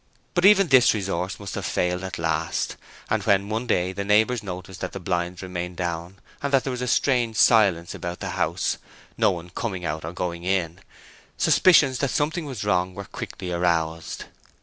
But even this resource must have failed at last, and when one day the neighbours noticed that the blinds remained down and that there was a strange silence about the house, no one coming out or going in, suspicions that something was wrong were quickly aroused.